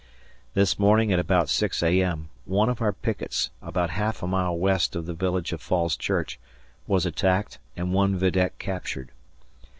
This morning at about 6 A.M., one of our pickets, about half a mile west of the village of Falls Church, was attacked and one vidette captured.